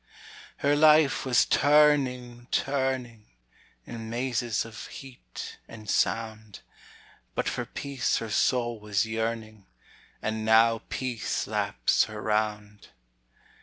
Her life was turning, turning, In mazes of heat and sound. But for peace her soul was yearning, And now peace laps her round.